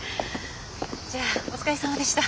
じゃあお疲れさまでした。